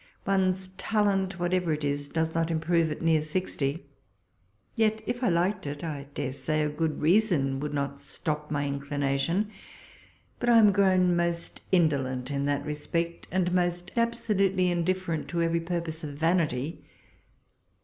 One's talent, what ever it is, does not improve at near sixty— yet, if I liked it, I dare to say a good reason would not stop my inclination ;— but I am grown most indolent in that respect, and most absolutely in different to every purpose of vanity.